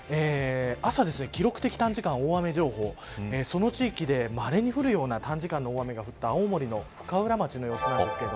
朝、記録的短時間大雨情報その地域で、まれに降るような短時間、大雨が降った青森の深浦町の様子です。